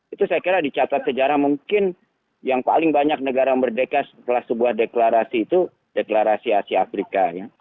itu saya kira dicatat sejarah mungkin yang paling banyak negara merdeka setelah sebuah deklarasi itu deklarasi asia afrika ya